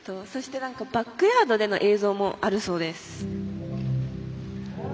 バックヤードでの映像もあるそうです。